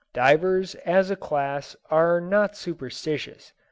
Divers, as a class, are not superstitious.